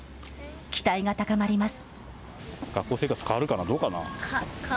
期待が高まります。